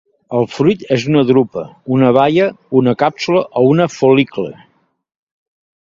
El fruit és una drupa, una baia, una càpsula o un fol·licle.